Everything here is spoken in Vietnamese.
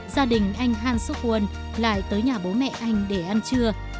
gia đình anh han suk won lại tới nhà bố mẹ anh để ăn trưa